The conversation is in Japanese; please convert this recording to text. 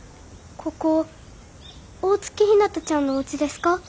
ここ大月ひなたちゃんのおうちですか？